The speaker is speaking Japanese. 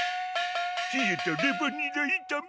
ひえたレバニラいため。